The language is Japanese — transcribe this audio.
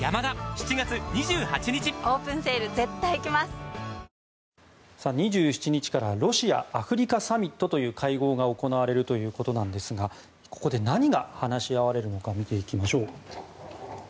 東京海上日動２７日からロシア・アフリカサミットという会合が行われるということなんですがここで何が話し合われるのか見ていきましょう。